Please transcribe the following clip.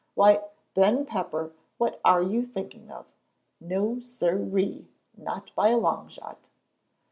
Why, Ben Pepper, what are you thinking of? No sir ee! Not by a long shot!"